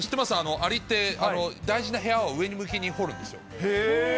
アリって大事な部屋を上向きに掘るんです。